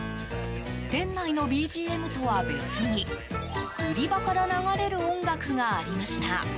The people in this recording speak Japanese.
店内のＢＧＭとは別に売り場から流れる音楽がありました。